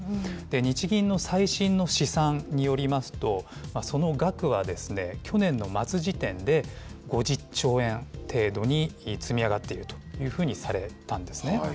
日銀の最新の試算によりますと、その額は去年の末時点で、５０兆円程度に積み上がっているというふうにされたんですね。